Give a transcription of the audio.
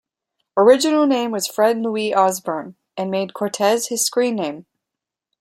Original name was Fred Louis Osburn, and made Cortes his screen name.